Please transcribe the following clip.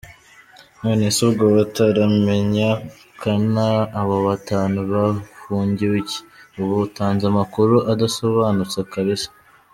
Nonese ubwo bataramenya kana abo batanu bafungiwe iki? Uba utanze Amakuru adasobanutse kabisa.